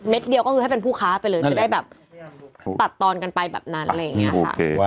เดียวก็คือให้เป็นผู้ค้าไปเลยจะได้แบบตัดตอนกันไปแบบนั้นอะไรอย่างนี้ค่ะ